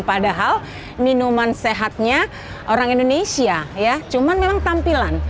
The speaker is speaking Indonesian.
padahal minuman sehatnya orang indonesia ya cuman memang tampilan